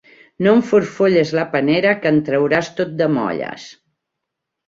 No em forfolles la panera, que en trauràs tot de molles...!